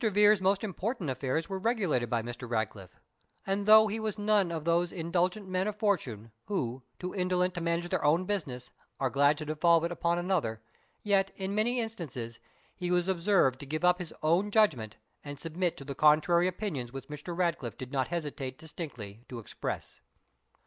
Vere's most important affairs were regulated by Mr. Ratcliffe; and although he was none of those indulgent men of fortune, who, too indolent to manage their own business, are glad to devolve it upon another, yet, in many instances, he was observed to give up his own judgment, and submit to the contrary opinions which Mr. Ratcliffe did not hesitate distinctly to express.